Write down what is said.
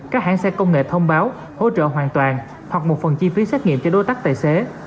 các hãng xe công nghệ thông báo hỗ trợ hoàn toàn hoặc một phần chi phí xét nghiệm cho đối tác tài xế